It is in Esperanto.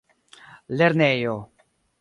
lernejo